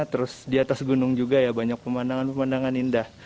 terus di atas gunung juga ya banyak pemandangan pemandangan indah